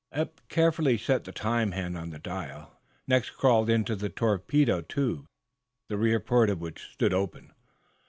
Eph carefully set the time hand on the dial, next crawled into the torpedo tube, the rear port of which stood open.